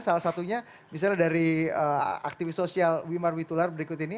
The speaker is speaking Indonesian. salah satunya misalnya dari aktivis sosial wimar witular berikut ini